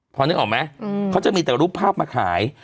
พอนึกออกไหมเขาจะมีแต่รูปภาพมาขาย